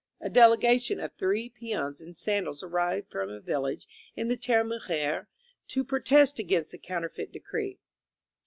A delegation of three peons in sandals ar rived from a village in the Tarahumare to protest against the Counterfeit Decree.